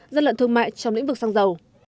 dân lận thương mại trong lĩnh vực xăng dầu